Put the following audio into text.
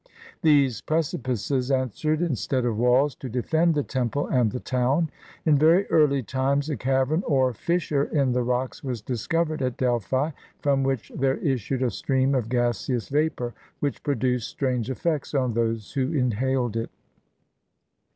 These precipices answered instead of walls to defend the temple and the town. In very early times a cavern or fissure in the rocks was discovered at Delphi, from which there issued a stream of gaseous vapor, which produced strange efifects on those who inhaled it.